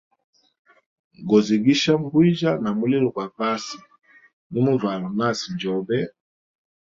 Gozigisha mbwijya na mulilo gwa pasi, nimuvala nasi njobe.